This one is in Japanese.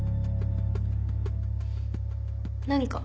何か？